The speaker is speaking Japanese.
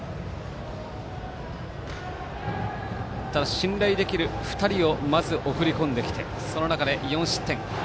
信頼できる２人をまず、送り込んできて、その中で４失点。